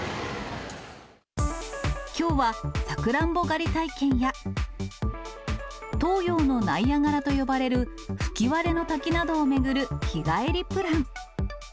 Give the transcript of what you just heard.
きょうは、さくらんぼ狩り体験や、東洋のナイアガラと呼ばれる吹割の滝などを巡る日帰りプラン。